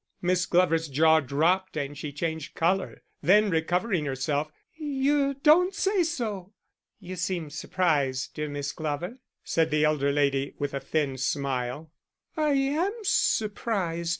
Miss Glover's jaw dropped and she changed colour; then, recovering herself: "You don't say so!" "You seem surprised, dear Miss Glover," said the elder lady, with a thin smile. "I am surprised.